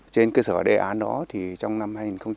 trên cơ sở đề án đó thì trong năm hai nghìn một mươi sáu